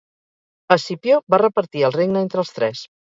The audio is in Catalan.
Escipió va repartir el regne entre els tres.